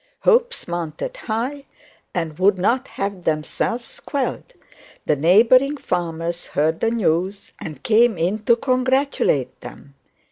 Hopes mounted high and would not have themselves quelled. The neighbouring farmers heard this news, and came in to congratulate them.